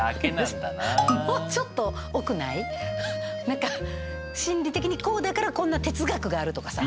何か心理的にこうだからこんな哲学があるとかさ。